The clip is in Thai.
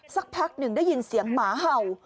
สักพักหนึ่งได้ยินเสียงหมาเห่า